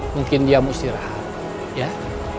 mungkin dia musti rahat